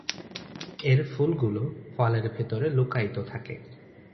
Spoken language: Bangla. এর ফুলগুলো ফলের ভেতরে লুকায়িত থাকে।